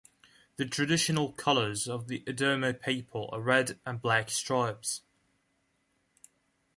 The traditional colours of the Idoma people are red and black stripes.